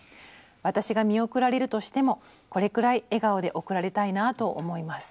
私が見送られるとしてもこれくらい笑顔で送られたいなと思います」とのことでした。